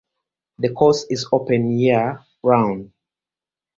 The course is open year-round.